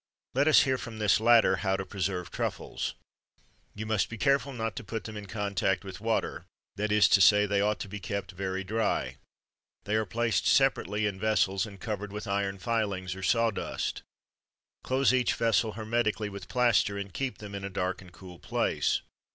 Let us hear from this latter how to preserve truffles. You must be careful not to put them in contact with water; that is to say, that they ought to be kept very dry. They are placed separately in vessels, and covered with iron filings, or saw dust. Close each vessel hermetically with plaster, and keep them in a dark and cool place.